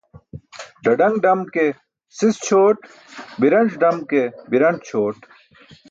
Ḍaḍaṅ ḍam ke sis ćʰoot, biranc̣ dam ke biranc̣ ćʰoot